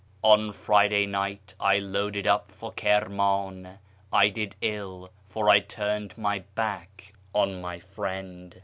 On Friday night I loaded up from Kirman ; I did ill, for I turned my back on my friend."